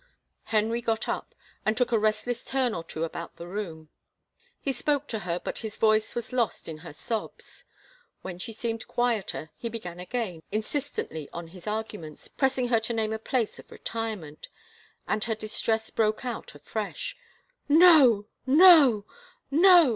Henry got up and took a restless turn or two about the room. He spoke to her but his voice was lost in her sobs. When she seemed quieter he began again insist ently on his arguments, pressing her to name a place of retirement, and her distress broke out afresh. " No — no — no